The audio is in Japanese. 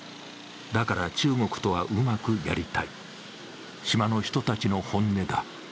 だから中国とはうまくやりたい、島の人たちの本音だ。